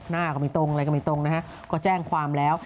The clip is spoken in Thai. หน้าก็ไม่ตรงอะไรก็ไม่ตรงนะฮะก็แจ้งความแล้ว